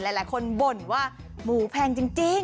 หลายคนบ่นว่าหมูแพงจริง